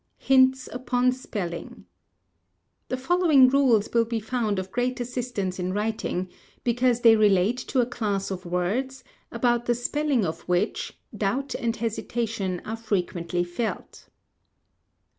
Hints upon Spelling The following rules will be found of great assistance in writing, because they relate to a class of words about the spelling of which doubt and hesitation are frequently felt: i.